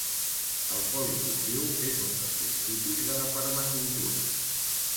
El policultiu és un dels principis de la permacultura.